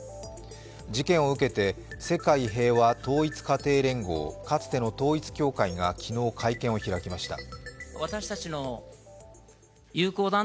事件を受けて世界平和統一家庭連合、かつての統一教会が昨日会見を開きました。